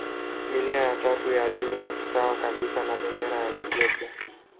Milia ya tatu ya juu ni sawa kabisa na bendera ya Ethiopia.